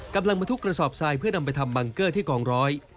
กำลังมาทุกกระสอบทรายเพื่อนำไปทำบังเกอร์ที่กองร้อย